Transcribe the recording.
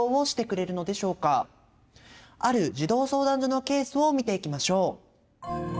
ある児童相談所のケースを見ていきましょう。